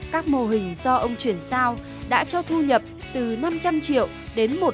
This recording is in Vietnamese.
các mô hình do ông chuyển giao đã cho thu nhập từ năm trăm linh triệu đến một tỷ đồng một hectare trong ba đến bốn tháng